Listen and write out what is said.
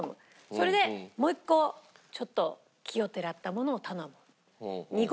それでもう一個ちょっと奇をてらったものを頼む。